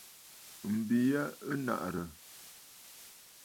M̀bi ya ɨ nàʼàrə̀.